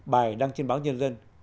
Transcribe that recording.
bài đăng trên báo nhân dân